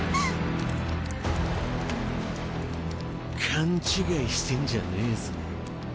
勘違いしてんじゃねえぞ。